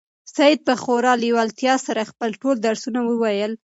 سعید په خورا لېوالتیا سره خپل ټول درسونه وویل.